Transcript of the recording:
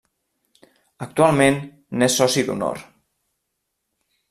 Actualment n'és Soci d'Honor.